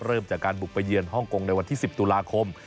เริ่มจากการบุกไปเยือนฮ่องกงในวันที่๑๐ตุลาคม